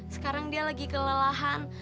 sekarang dia lagi kelelahan